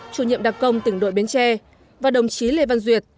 chủ nhiệm đặc công tỉnh đội bến tre và đồng chí lê văn duyệt